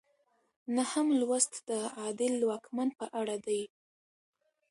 نهم لوست د عادل واکمن په اړه دی.